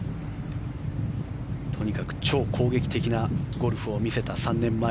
とにかく超攻撃的なゴルフを見せた３年前。